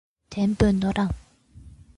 天文の乱